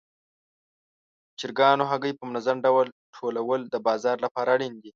د چرګانو هګۍ په منظم ډول ټولول د بازار لپاره اړین دي.